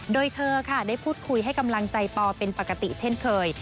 โดยเธอค่ะได้พูดคุยให้กำลังใจปอเป็นปกติเช่นเคย